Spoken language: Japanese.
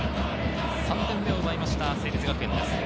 ３点目を奪いました成立学園です。